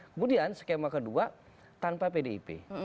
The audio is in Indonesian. kemudian skema kedua tanpa pdip